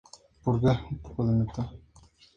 Fue la última película del veterano director.